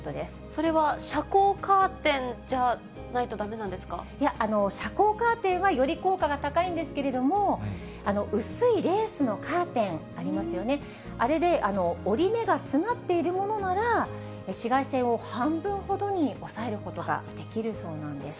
それは遮光カーテンじゃない遮光カーテンはより効果が高いんですけれども、薄いレースのカーテン、ありますよね、あれで織り目が詰まっているものなら、紫外線を半分ほどに抑えることができるそうなんです。